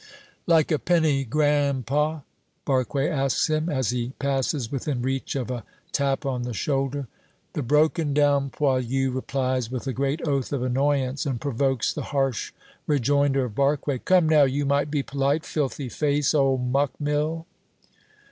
"Like a penny, gran'pa?" Barque asks him, as he passes within reach of a tap on the shoulder. The broken down poilu replies with a great oath of annoyance, and provokes the harsh rejoinder of Barque: "Come now, you might be polite, filthy face, old muck mill!"